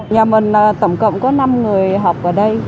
nhà mình tổng cộng có năm người học ở đây